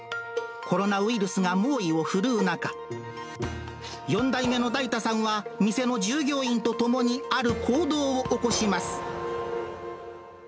コロナウイルスが猛威を振るう中、４代目の大太さんは、店の従業員と共にある行動を起こします。